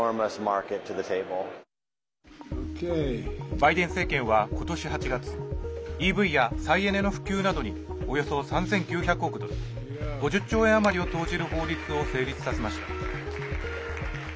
バイデン政権は今年８月ＥＶや再エネの普及などにおよそ３９００億ドル５０兆円余りを投じる法律を成立させました。